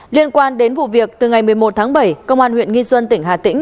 liên quan đến vụ việc từ ngày một mươi một tháng bảy công an huyện nghi xuân tỉnh hà tĩnh